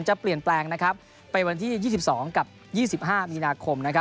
จะเปลี่ยนแปลงนะครับไปวันที่๒๒กับ๒๕มีนาคมนะครับ